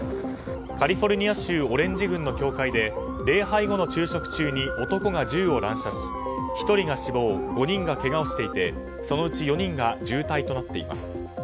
カリフォルニア州オレンジ郡の教会で礼拝後の昼食中に男が銃を乱射し１人が死亡５人がけがをしていてそのうち４人が重体となっています。